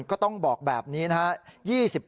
ก็ต้องบอกแบบนี้